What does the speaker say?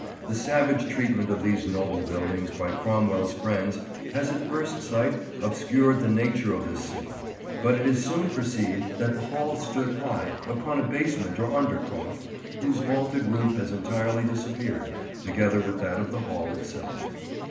The savage treatment of these noble buildings by Cromwell's friends has at first sight obscured the nature of this scene; but it is soon perceived that the Hall stood high, upon a basement or undercroft, whose vaulted roof has entirely disappeared, together with that of the Hall itself.